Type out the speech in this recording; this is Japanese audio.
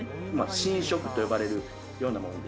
侵食と呼ばれるようなものですね。